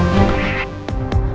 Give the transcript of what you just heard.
pak reger tunggu